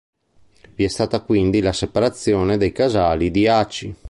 Vi è stata quindi la separazione dei casali di Aci.